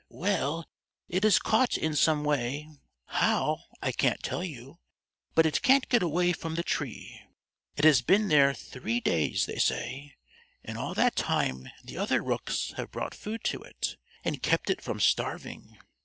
"Well it is caught in some way, how, I can't tell you, but it can't get away from the tree. It has been there three days, they say, and all that time the other rooks have brought food to it, and kept it from starving.